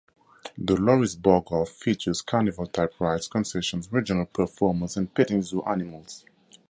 The Loris Bog-off features carnival-type rides, concessions, regional performers, and petting zoo animals.